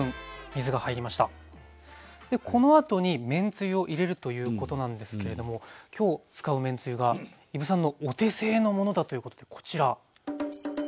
でこのあとにめんつゆを入れるということなんですけれども今日使うめんつゆが伊武さんのお手製のものだということでこちら。